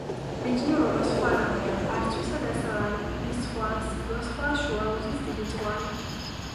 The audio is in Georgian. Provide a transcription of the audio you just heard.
"მიჯნურობა სხვა რამეა, არ სძვისა დასადარი:იგი სხვაა, სიძვა სხვაა, შუა უზის დიდი ძღვარი